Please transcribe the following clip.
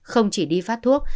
không chỉ đi phát thuốc